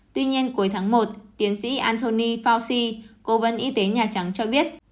tuy nhiên cuối tháng một tiến sĩ anthony fauci cố vấn y tế nhà trắng cho biết